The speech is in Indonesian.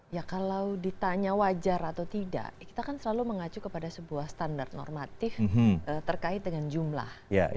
ya kalau ditanya wajar atau tidak kita kan selalu mengacu kepada sebuah standar normatif terkait dengan jumlah